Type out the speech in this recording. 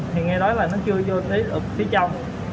thì nghe nói là nó chưa vô tới ở phía trong